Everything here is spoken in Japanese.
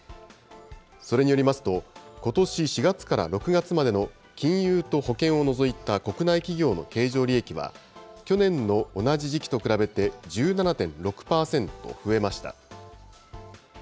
それによりますと、ことし４月から６月までの金融と保険を除いた国内企業の経常利益は、去年の同じ時期と比べて１７．６％増えました。